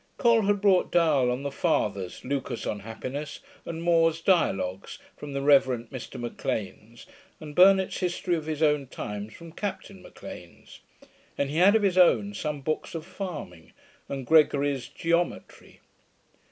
Col had brought Daille On the Fathers, Lucas On Happiness, and More's Dialogues, from the Reverend Mr M'Lean's, and Burnet's History of his own Times, from Captain M'Lean's; and he had of his own some books of farming, and Gregory's Geometry.